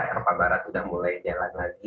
eropa barat sudah mulai jalan lagi